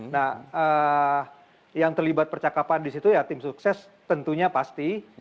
nah yang terlibat percakapan di situ ya tim sukses tentunya pasti